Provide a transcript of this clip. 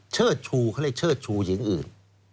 เชิดชูเขาเรียกเชิดชูหญิงอื่น